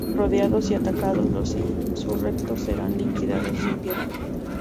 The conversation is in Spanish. Rodeados y atacados, los insurrectos serán liquidados sin piedad.